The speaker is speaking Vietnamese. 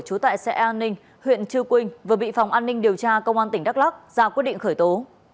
trú tại xe an ninh huyện chư quynh vừa bị phòng an ninh điều tra công an tp huế ra quyết định khởi tố